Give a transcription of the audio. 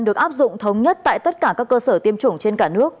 được áp dụng thống nhất tại tất cả các cơ sở tiêm chủng trên cả nước